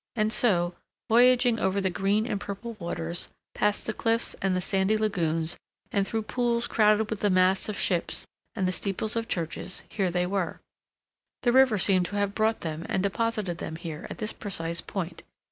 And so, voyaging over the green and purple waters, past the cliffs and the sandy lagoons and through pools crowded with the masts of ships and the steeples of churches—here they were. The river seemed to have brought them and deposited them here at this precise point.